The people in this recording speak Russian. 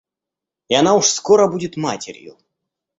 И она уж скоро будет матерью!